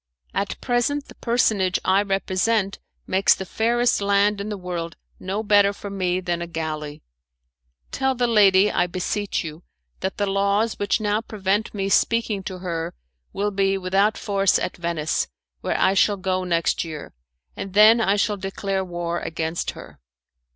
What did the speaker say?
At present the personage I represent makes the fairest land in the world no better for me than a galley. Tell the lady, I beseech you, that the laws which now prevent me speaking to her will be without force at Venice, where I shall go next year, and then I shall declare war against her.